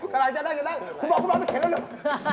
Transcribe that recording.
ขนาดจะนั่งคุณบอกมันเข็นแล้ว